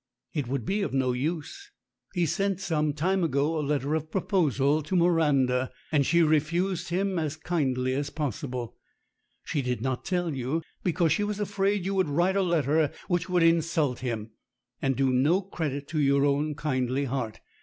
"It would be of no use. He sent some time ago a letter of proposal to Miranda, and she refused him as kindly as possible. She did not tell you, because she was afraid you would write a letter which would in sult him, and do no credit to your own kindly heart.